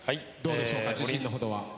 どうでしょうか自信の程は。